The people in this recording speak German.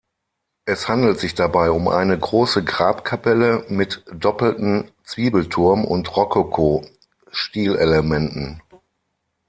Es handelt sich dabei um eine große Grabkapelle mit doppelten Zwiebelturm und Rokoko-Stilelementen.